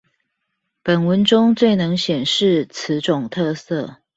本文中最能顯示此種特色